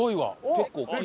結構大きい。